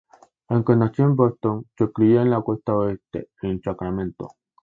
Aunque nació en Boston, se crió en la costa oeste, en Sacramento.